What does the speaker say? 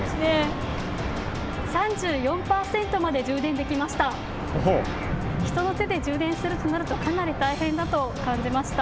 ３４％まで充電できました。